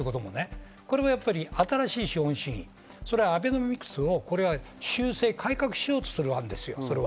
これはやっぱり新しい資本主義、アベノミクスを修正、改革しようとするわけです、これは。